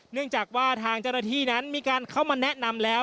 เนื่องจากว่าทางจรฐีนั้นมีการเข้ามาแนะนำแล้ว